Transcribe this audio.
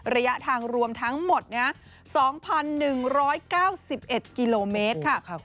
ระยะทางรวมทั้งหมด๒๑๙๑กิโลเมตรค่ะ